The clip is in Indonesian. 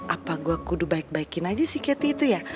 apa gua kudu baik baikin aja si catty itu ya